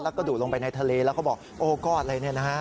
แล้วก็ดูดลงไปในทะเลแล้วเขาบอกโอ้ก้อนอะไรเนี่ยนะฮะ